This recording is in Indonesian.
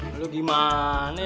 kamu mau main